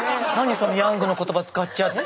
そのヤングの言葉使っちゃって。